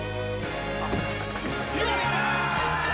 ・よっしゃ！